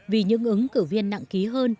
vì những ứng cử viên nặng ký hơn